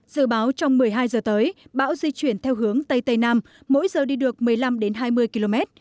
dự báo trong một mươi hai giờ tới bão di chuyển theo hướng tây tây nam mỗi giờ đi được một mươi năm hai mươi km